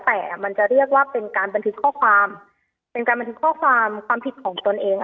แต่มันจะเรียกว่าเป็นการบันทึกข้อความเป็นการบันทึกข้อความความผิดของตนเอง